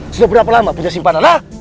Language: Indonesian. sudah berapa lama punya simpanan ha